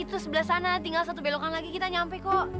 itu sebelah sana tinggal satu belokan lagi kita nyampe kok